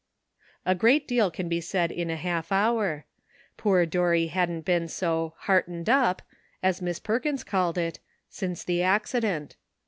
A great deal can be said in a half hour. Poor Dorry hadn't been so " heartened up," as Miss Perkins called it, since the accident.